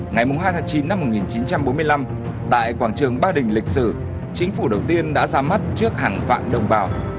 ngày hai tháng chín năm một nghìn chín trăm bốn mươi năm tại quảng trường ba đình lịch sử chính phủ đầu tiên đã ra mắt trước hàng vạn đồng bào